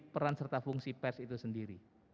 peran serta fungsi pers itu sendiri